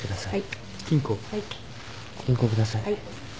はい。